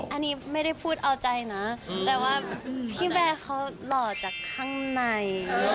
อันนี้ไม่ได้พูดเอาใจนะแต่ว่าพี่แวร์เขาหล่อจากข้างใน